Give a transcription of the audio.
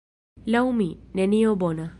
Laŭ mi, nenio bona.